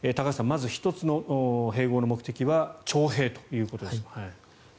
まず１つの併合の目的は徴兵ということですが。